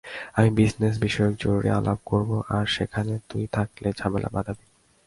আমি বিজনেস বিষয়ক জরুরি আলাপ করবো, আর সেখানে তুই থাকলে ঝামেলা বাঁধাবি।